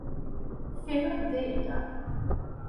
ফেরত দে এটা!